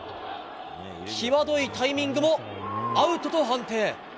際どいタイミングもアウトと判定。